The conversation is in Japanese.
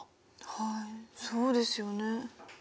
はいそうですよね。